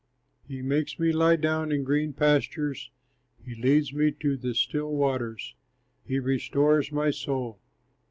He makes me lie down in green pastures, He leads me to the still waters, He restores my soul.